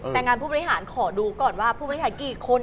แต่งานผู้บริหารขอดูก่อนว่าผู้บริหารกี่คน